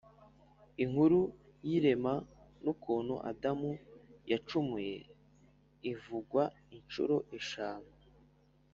inkuru y’irema n’ukuntu adamu yacumuye ivugwa incuro eshanu